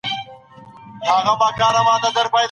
پرتله د پام وړ لاسته راوړني لرلي دي. فارسي علم او